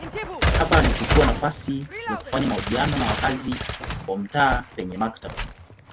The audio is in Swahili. Hapa alichukua nafasi ya kufanya mahojiano na wakazi wa mtaa penye maktaba.